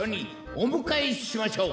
おむかえしましょう。